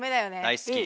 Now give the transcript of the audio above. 大好き。